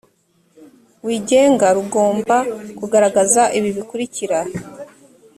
wigenga rugomba kugaragaza ibi bikurikira